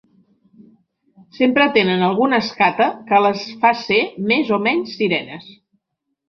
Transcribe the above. Sempre tenen alguna escata que les fa ser més o menys sirenes